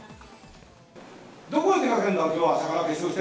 どこへ出かけるの？